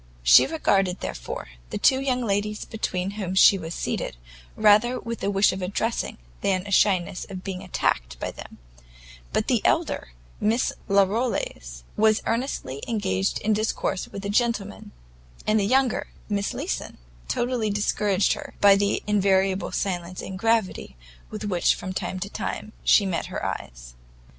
She regarded, therefore, the two young ladies between whom she was seated, rather with a wish of addressing, than a shyness of being attacked by them; but the elder, Miss Larolles, was earnestly engaged in discourse with a gentleman, and the younger, Miss Leeson, totally discouraged her, by the invariable silence and gravity with which from time to time she met her eyes.